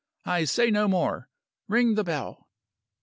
I say no more. Ring the bell."